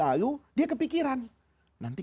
lalu dia kepikiran nanti